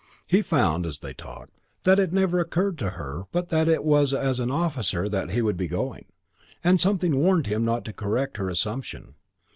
He found, as they talked, that it never occurred to her but that it was as an officer that he would be going, and something warned him not to correct her assumption.